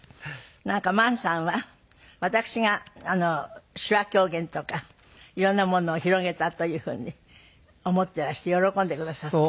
なんか萬さんは私が手話狂言とか色んなものを広げたというふうに思っていらして喜んでくださっている。